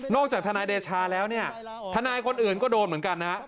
นอกจากธนายเดชาแล้วธนายคนอื่นก็โดนเหมือนกันนะ